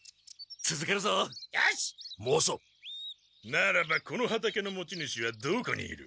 ならばこの畑の持ち主はどこにいる？